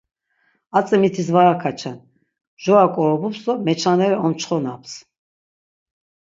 Atzi mitis var akaçen, mjora k̆orobups do meçaneri omçxonaps.